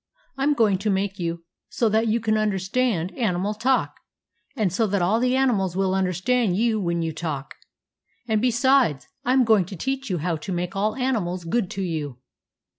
I 'm going to make you so that you can understand animal talk, and so that all the animals will understand you when you talk And besides, I 'm going to teach you how to make all animals good to you."